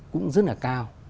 cũng rất là cao